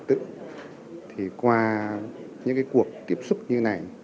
thì qua những cuộc tiếp xúc như này